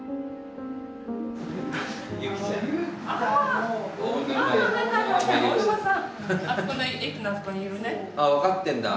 あっ分かってんだ。